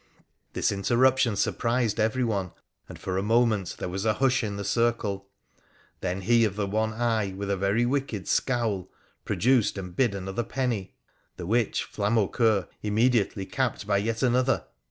This interruption surprised everyone, and for a moment there was a hush in the circle. Then he of the one eye, with a very wicked scowl, produced and bid another penny, the which Flamaucceur immediately capped by yet another.